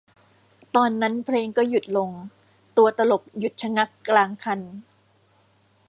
ตอนนั้นเพลงก็หยุดลง ตัวตลกหยุดชะงักกลางคัน